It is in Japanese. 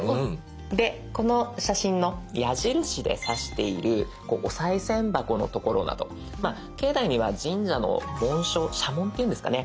この写真の矢印で指しているおさい銭箱の所など境内には神社の紋章社紋っていうんですかね